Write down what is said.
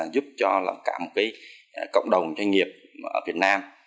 giúp cho cả một cộng đồng doanh nghiệp ở việt nam